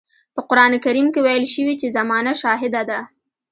په قرآن کريم کې ويل شوي چې زمانه شاهده ده.